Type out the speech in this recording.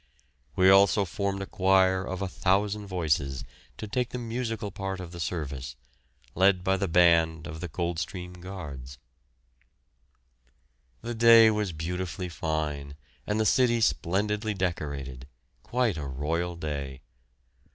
We also formed a choir of 1,000 voices to take the musical part of the service, led by the band of the Coldstream Guards. The day was beautifully fine and the city splendidly decorated, quite a royal day.